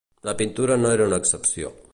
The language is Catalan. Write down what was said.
La pintura no era una excepció.